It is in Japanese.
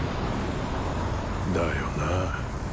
だよな。